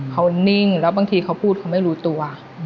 เขานิ่งแล้วบางทีเขาพูดเขาไม่รู้ตัว